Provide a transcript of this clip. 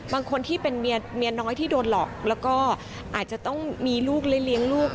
บางคนที่เป็นเมียน้อยที่โดนหลอกแล้วก็อาจจะต้องมีลูกและเลี้ยงลูก